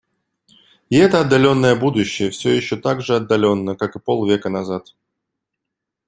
И это отдаленное будущее все еще так же отдалённо, как и полвека назад.